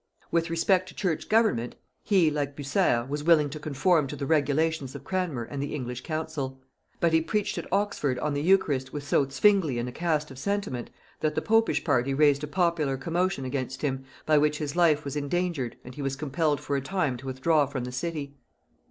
With respect to church government, he, like Bucer, was willing to conform to the regulations of Cranmer and the English council; but he preached at Oxford on the eucharist with so Zwinglian a cast of sentiment, that the popish party raised a popular commotion against him, by which his life was endangered, and he was compelled for a time to withdraw from the city.